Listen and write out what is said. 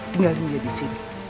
tinggalin dia disini